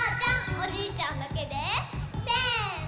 おじいちゃんだけでせの！